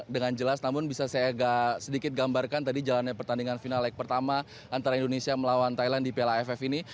dengan jelas namun bisa saya agak sedikit gambarkan tadi jalannya pertandingan final leg pertama antara indonesia melawan thailand di piala aff ini